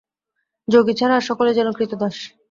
যোগী ছাড়া আর সকলেই যেন ক্রীতদাস।